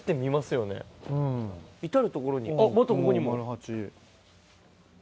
至る所にあっまたここにも。マル八。